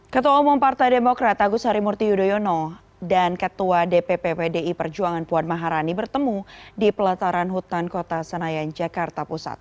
ketua umum partai demokrat agus harimurti yudhoyono dan ketua dpp pdi perjuangan puan maharani bertemu di pelataran hutan kota senayan jakarta pusat